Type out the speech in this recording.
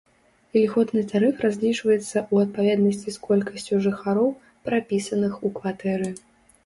Ільготны тарыф разлічваецца ў адпаведнасці з колькасцю жыхароў, прапісаных у кватэры.